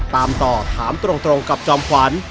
ตามต่อถามตรงกับจอมขวัญ